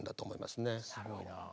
すごいなぁ。